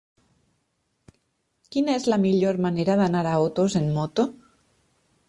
Quina és la millor manera d'anar a Otos amb moto?